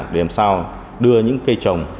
để làm sao đưa những cây trồng